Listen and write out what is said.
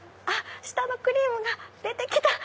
下のクリームが出て来た！